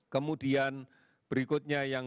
kemudian berikutnya yang